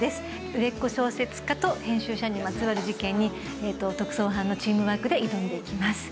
売れっ子小説家と編集者にまつわる事件に特捜班のチームワークで挑んでいきます。